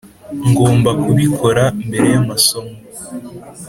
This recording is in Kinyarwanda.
ngomba kubikora mbere yamasomo.